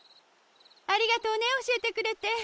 ありがとうねおしえてくれて。